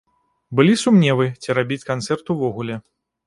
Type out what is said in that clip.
Былі сумневы, ці рабіць канцэрт увогуле.